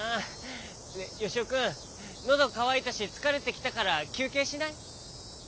よしおくんのどかわいたしつかれてきたからきゅうけいしない？